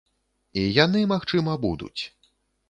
І яны, магчыма, будуць.